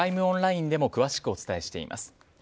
オンラインでも詳しくお伝えしています。